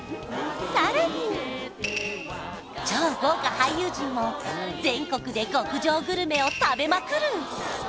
さらに超豪華俳優陣も全国で極上グルメを食べまくる！